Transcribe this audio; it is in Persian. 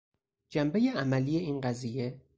جنبهی عملی این قضیه